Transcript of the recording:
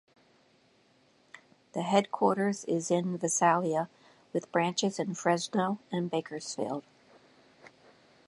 The headquarters is in Visalia with branches in Fresno and Bakersfield.